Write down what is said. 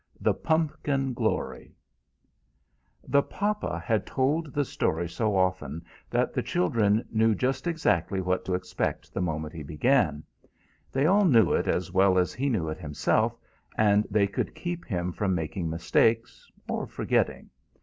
THE PUMPKIN GLORY The papa had told the story so often that the children knew just exactly what to expect the moment he began. They all knew it as well as he knew it himself, and they could keep him from making mistakes, or forgetting.